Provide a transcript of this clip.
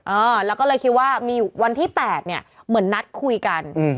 เออแล้วก็เลยคิดว่ามีวันที่๘เนี่ยเหมือนนัดคุยกันอืม